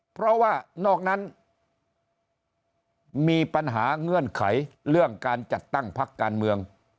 เพราะว่านอกนั้นมีปัญหาเงื่อนไขเรื่องการจัดตั้งพักการเมือง